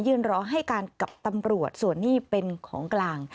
รอให้การกับตำรวจส่วนนี้เป็นของกลาง